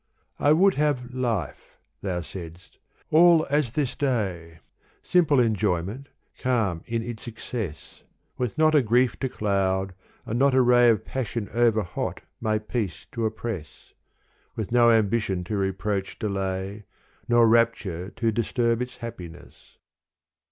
I would have life — thou saidst — all as this day, Simple enjoyment calm in its excess, With not a grief to cloud and not a ray Of passion overhot my peace to oppress : With no ambition to reproach delay. Nor rapture to disturb its happiness.